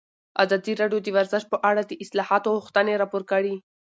ازادي راډیو د ورزش په اړه د اصلاحاتو غوښتنې راپور کړې.